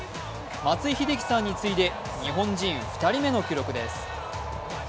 松井秀喜さんに次いで日本人２人目の記録です。